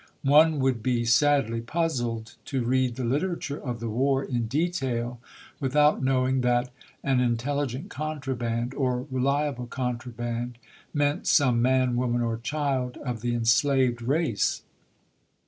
One would be sadly puzzled to read the literature of the war in detail without knowing that " an intelligent contraband," or " reliable con traband," meant some man, woman, or child of the enslaved race.